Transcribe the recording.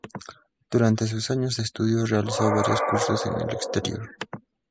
Durante sus años de estudio realizó varios cursos en el exterior.